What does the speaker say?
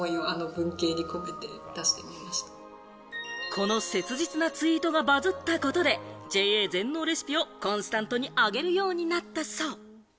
この切実なツイートがバズったことで、ＪＡ全農レシピをコンスタントに上げるようになったそう。